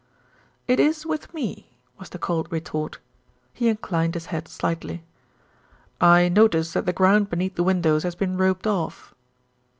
"It is with me," was the cold retort. He inclined his head slightly. "I notice that the ground beneath the windows has been roped off."